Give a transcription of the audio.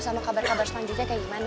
sama kabar kabar selanjutnya kayak gimana